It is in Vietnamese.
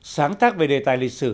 sáng tác về đề tài lịch sử